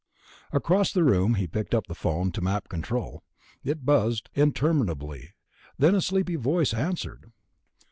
Across the room he picked up the phone to Map Control. It buzzed interminably; then a sleepy voice answered.